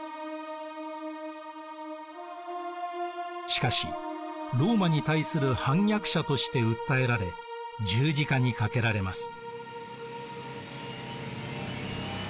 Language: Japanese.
しかしローマに対する反逆者として訴えられ十字架にかけられます。